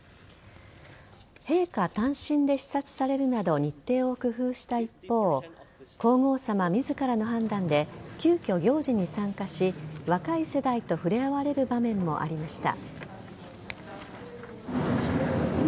陛下単身で視察されるなど日程を工夫した一方皇后さま自らの判断で急きょ行事に参加し若い世代と触れ合われる場面もありました。